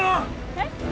えっ？